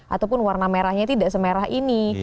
ataupun warna merahnya tidak semerah ini